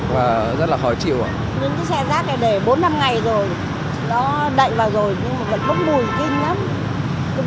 ngày hôm nay là họ không chuyển đi rồi ra là rất là khó chịu với lại ruồi bay về rất là nhiều